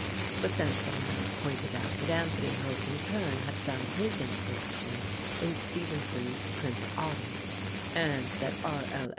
But then someone else pointed out that Anthony Hope in turn had found his inspiration in Stevenson's "Prince Otto," and that R. L.